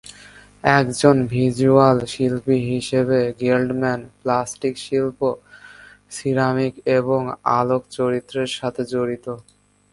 একজন ভিজ্যুয়াল শিল্পী হিসেবে গেল্ডম্যান প্লাস্টিক শিল্প, সিরামিক এবং আলোকচিত্রের সাথে জড়িত।